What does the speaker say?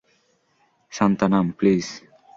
Santhanam, please.